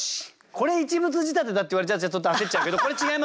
これ一物仕立てだって言われちゃちょっと焦っちゃうけどこれ違いますよね。